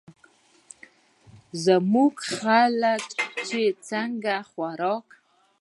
زمونږ خلک چې څنګه خوراک